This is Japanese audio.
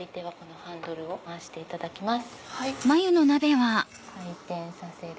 はい。